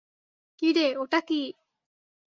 কি রে ওটা কী?